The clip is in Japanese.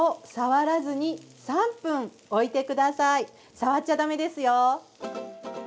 触っちゃだめですよ。